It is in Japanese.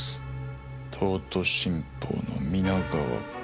東都新報の皆川か。